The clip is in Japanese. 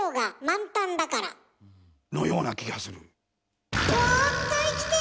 のような気がする。